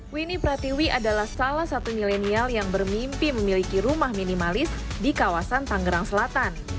winnie pratiwi adalah salah satu milenial yang bermimpi memiliki rumah minimalis di kawasan tangerang selatan